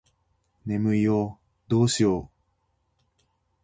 眠いよどうしよう